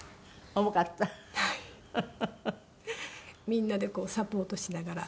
みんなでサポートしながら。